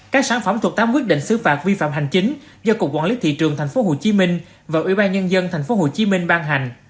các sản phẩm thuộc tám quyết định xứ phạt vi phạm hành chính do cục quản lý thị trường tp hcm và ủy ban nhân dân tp hcm ban hành